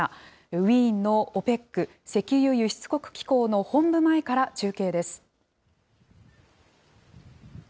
ウィーンのＯＰＥＣ・石油輸出国機構の本部前から中継です。